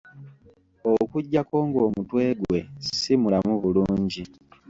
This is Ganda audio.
Okuggyako ng'omutwe gwe si mulamu bulungi.